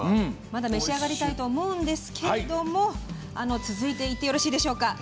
まだ召し上がりたいと思うんですけれども続いていってよろしいですか。